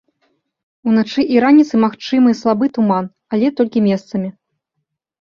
Уначы і раніцай магчымы слабы туман, але толькі месцамі.